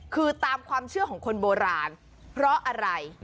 คือตามความเชื่อของคนโบราณเพราะอะไร